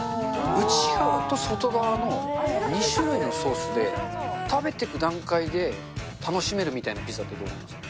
内側と外側の２種類のソースで、食べてく段階で楽しめるみたいなピザってどうですか。